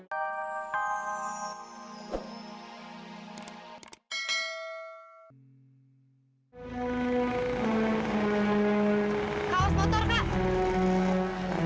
kau motor kak